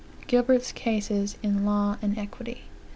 Gilbert's Cases in Law and Equity, &c.